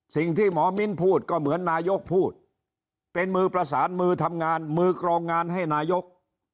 สิ่งที่หมอมิ้นพูดก็เหมือนนายกพูดเป็นมือประสานมือทำงานมือกรองงานให้นายก